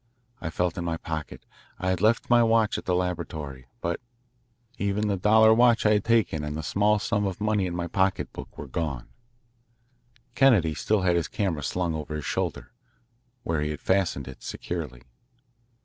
I felt in my pocket. I had left my watch at the laboratory, but even the dollar watch I had taken and the small sum of money in my pocketbook were gone. Kennedy still had his camera slung over his shoulder, where he had fastened it securely.